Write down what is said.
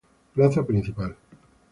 Plaza Principal.